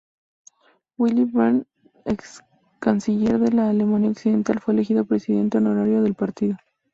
Willy Brandt, excanciller de la Alemania Occidental, fue elegido presidente honorario del partido.